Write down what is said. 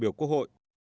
đại biểu quốc hội